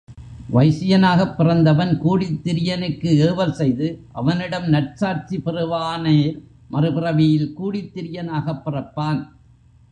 வைசியனாகப் பிறந்தவன் கூடித்திரியனுக்கு ஏவல் செய்து அவனிடம் நற்சாட்சி பெறுவானேல் மறுபிறவியில் கூடித்திரியனாகப் பிறப்பான்.